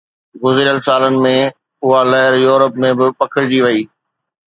گذريل سالن ۾، اها لهر يورپ ۾ به پکڙجي وئي.